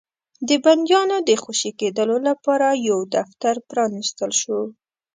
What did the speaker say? د بنديانو د خوشي کېدلو لپاره يو دفتر پرانيستل شو.